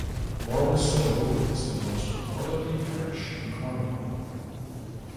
Morwenstow is the most northerly parish in Cornwall.